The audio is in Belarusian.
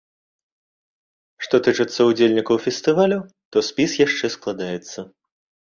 Што тычыцца ўдзельнікаў фестывалю, то спіс яшчэ складаецца.